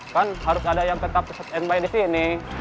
kan harus ada yang peta peset n buy di sini